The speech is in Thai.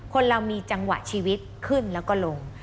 คนเรามีจังหวะชีวิตขึ้นแล้วก็ลง